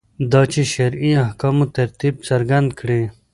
دا چې شرعي احکامو ترتیب څرګند کړي.